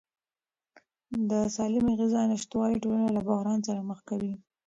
د سالمې غذا نشتوالی ټولنه له بحران سره مخ کوي.